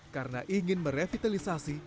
karena ingin merevitalisasi